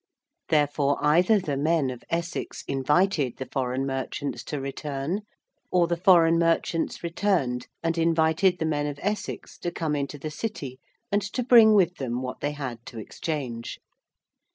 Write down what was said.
Therefore, either the men of Essex invited the foreign merchants to return; or the foreign merchants returned and invited the men of Essex to come into the City and to bring with them what they had to exchange.